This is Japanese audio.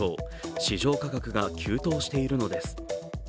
市場価格が急騰しているのです。